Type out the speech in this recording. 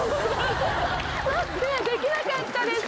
できなかったです！